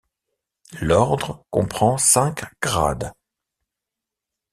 L'ordre comprend cinq grades.